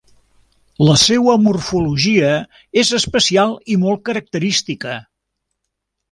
La seua morfologia és especial i molt característica.